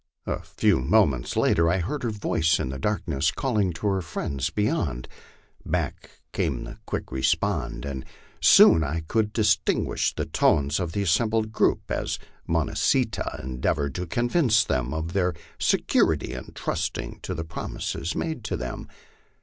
A few moments later I heard her voice in the darkness calling to her friends beyond ; back came the quick response, and soon after I could distinguish the tones of the assembled group as Mo nah see tnh endeavored to convince them of their security in trusting to the promises made them.